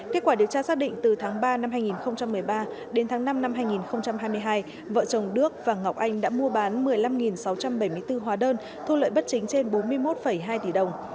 kết quả điều tra xác định từ tháng ba năm hai nghìn một mươi ba đến tháng năm năm hai nghìn hai mươi hai vợ chồng đức và ngọc anh đã mua bán một mươi năm sáu trăm bảy mươi bốn hóa đơn thu lợi bất chính trên bốn mươi một hai tỷ đồng